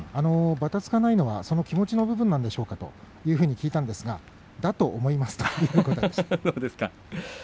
ばたつかないのはその気持ちの部分なんでしょうかと聞いたんですがだと思いますということです。